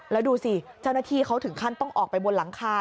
แล้วดูสิเจ้าหน้าที่เขาถึงขั้นต้องออกไปบนหลังคา